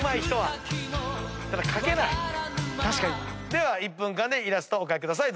では１分間でイラストをお描きください。